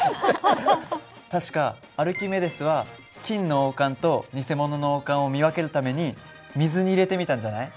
確かアルキメデスは金の王冠と偽物の王冠を見分けるために水に入れてみたんじゃない？